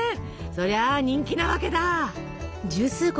そりゃ人気なわけだ。